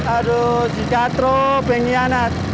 aduh si katro pengianat